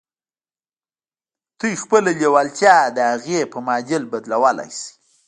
تاسې خپله لېوالتیا د هغې په معادل بدلولای شئ